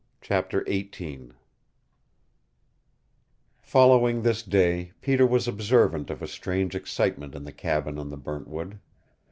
CHAPTER XVIII Following this day Peter was observant of a strange excitement in the cabin on the Burntwood.